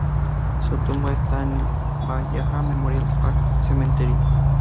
Su tumba está en el "Valhalla Memorial Park Cemetery".